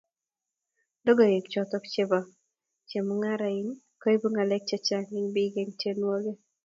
Logoywek choto bo chemangarain-- koibu ngalek chechang eng biik-eng tyenwogik